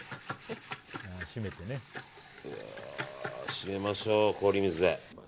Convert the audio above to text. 締めましょう、氷水で。